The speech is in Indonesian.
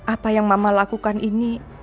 apa yang mama lakukan ini